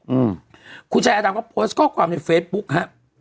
อืมคุณชายอาดำก็โพสต์ข้อความในเฟซบุ๊คฮะ